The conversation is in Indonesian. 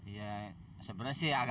iya sebenarnya sih agak was was